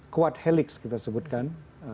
kuat helix kita sebutkan